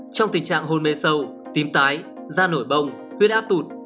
trong tình trạng hôn mê sâu tím tái da nổi bông huyết áp tụt